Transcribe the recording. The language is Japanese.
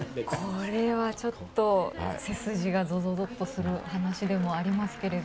これはちょっと背筋がぞぞぞっとする話でもありますけど。